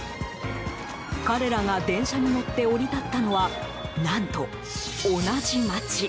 彼らが電車に乗って降り立ったのは何と、同じ街。